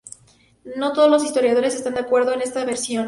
No todos los historiadores están de acuerdo con esta versión.